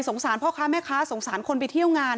สารพ่อค้าแม่ค้าสงสารคนไปเที่ยวงาน